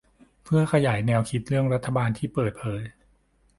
เพื่อขยายแนวคิดเรื่องรัฐบาลที่เปิดเผย